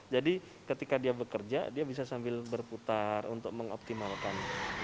jadi ketika dia bekerja dia bisa sambil berputar untuk mengoptimalkan